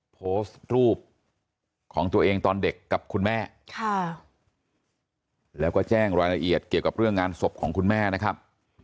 โพสต์รูปของตัวเองตอนเด็กกับคุณแม่แล้วก็แจ้งรายละเอียดเกี่ยวกับเรื่องงานศพของคุณแม่นะครับ